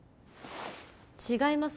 違います